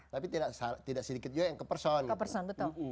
tapi tidak sedikit juga yang ke person